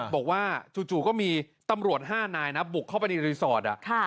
จู่ก็มีตำรวจ๕นายนะบุกเข้าไปในรีสอร์ท